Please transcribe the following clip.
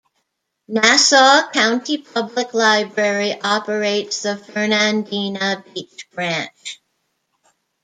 Nassau County Public Library operates the Fernandina Beach Branch.